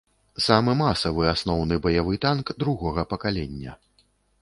Самы масавы асноўны баявы танк другога пакалення.